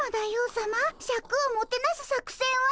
さまシャクをもてなす作戦は？